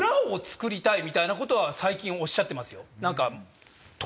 みたいなことは最近おっしゃってますよ。